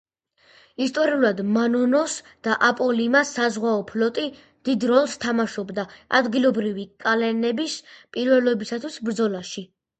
ისტორიულად მანონოს და აპოლიმას საზღვაო ფლოტი დიდ როლს თამაშობდა ადგილობრივი კლანების პირველობისათვის ბრძოლაში.